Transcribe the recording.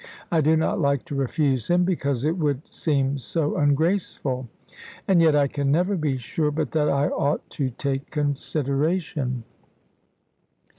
I do not like to refuse him, because it would seem so ungraceful; and yet I can never be sure but that I ought to take consideration.